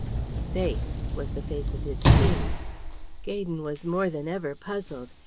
The face was the face of his King. Gaydon was more than ever puzzled.